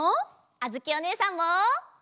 あづきおねえさんも！